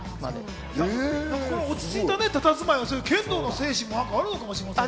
落ち着いたたたずまいは剣道の精神もあるかもしれない。